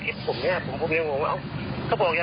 เออคือพูดนั้นตัวผมก็สอนนะ